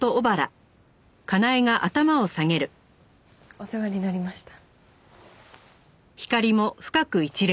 お世話になりました。